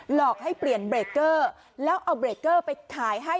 หลอกให้เปลี่ยนเบรกเกอร์แล้วเอาเบรกเกอร์ไปขายให้